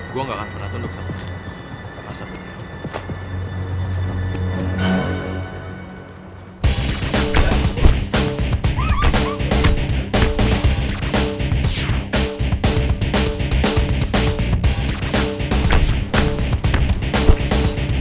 gua gak akan pernah tunduk sama lu semua